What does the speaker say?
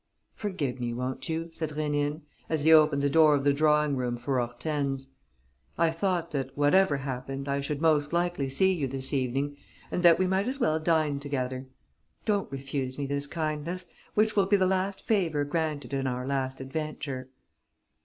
"Forgive me, won't you?" said Rénine, as he opened the door of the drawing room for Hortense. "I thought that, whatever happened, I should most likely see you this evening and that we might as well dine together. Don't refuse me this kindness, which will be the last favour granted in our last adventure."